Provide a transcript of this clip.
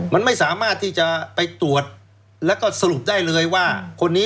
มันไม่สามารถที่จะไปตรวจแล้วก็สรุปได้เลยว่าคนนี้